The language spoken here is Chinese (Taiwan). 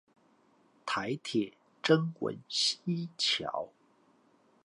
臺鐵曾文溪橋